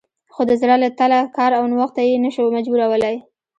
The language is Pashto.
خو د زړه له تله کار او نوښت ته یې نه شو مجبورولی